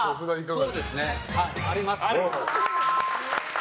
そうですね、あります。